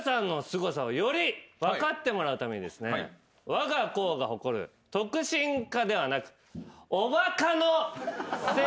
わが校が誇る特進科ではなく。